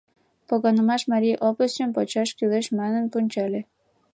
Погынымаш Марий областьым почаш кӱлеш манын пунчале.